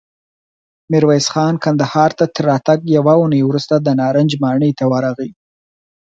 ميرويس خان کندهار ته تر راتګ يوه اوونۍ وروسته د نارنج ماڼۍ ته ورغی.